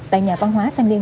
tại nhà văn hóa thanh niên